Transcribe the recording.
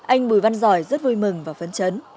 anh bùi văn giỏi rất vui mừng và phấn chấn